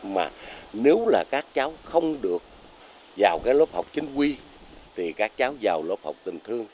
mà nếu là các cháu không được vào cái lớp học chính quy thì các cháu vào lớp học tình thương